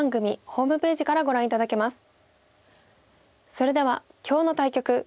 それでは今日の対局